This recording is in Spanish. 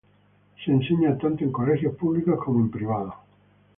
Se enseña tanto en colegios públicos, como en privados.